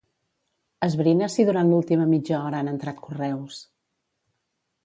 Esbrina si durant l'última mitja hora han entrat correus.